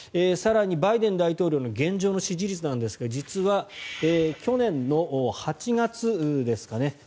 更に、バイデン大統領の現状の支持率ですが実は去年の８月ですかね。